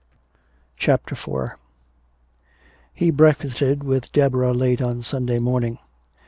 CHAPTER IV He breakfasted with Deborah late on Sunday morning.